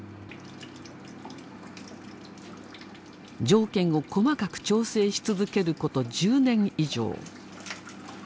条件を細かく調整し続けること１０年以上。